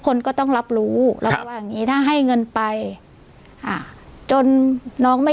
คนก็ต้องรับรู้เราก็ว่าอย่างงี้ถ้าให้เงินไปอ่าจนน้องไม่